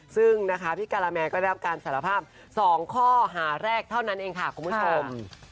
ซึ่งนะคะพี่การาแมนก็ได้รับการสารภาพ๒ข้อหาแรกเท่านั้นเองค่ะคุณผู้ชม